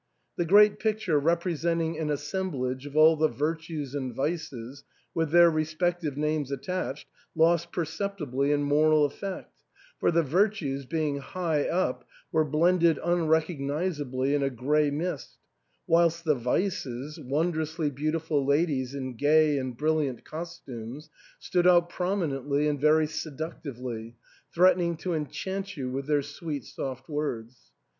The great picture rep resenting an assemblage of all the Virtues and Vices, with their respective names attached, lost perceptibly in moral effect ; for the Virtues, being high up, were blended unrecognisably in a grey mist, whilst the Vices — ^wondrously beautiful ladies in gay and brilliant cos tumes — stood out prominently and very seductively, threatening to enchant you with their sweet soft words.